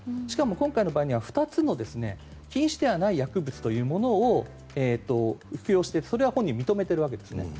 しかも、今回の場合には２つの禁止ではない薬物を服用していて、それは本人は認めているわけです。